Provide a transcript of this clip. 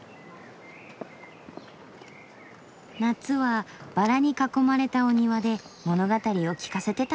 夏はバラに囲まれたお庭で物語を聞かせてたんだろうなぁ。